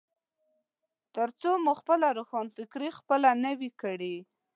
ترڅو مو خپله روښانفکري خپله نه وي کړي.